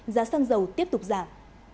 giá xăng dầu tiếp tục giảm